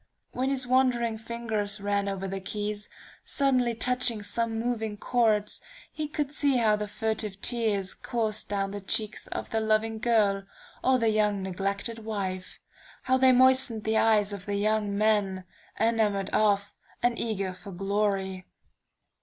When his wandering fingers ran over the keys, suddenly touching some moving chords, he could see how the furtive tears coursed down the cheeks of the loving girl, or the young neglected wife; how they moistened the eyes of the young men, enamored of, and eager for glory.